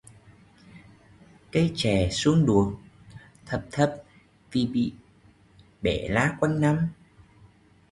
Cây chè suông đuột, thấp thấp vì bị bẻ lá quanh năm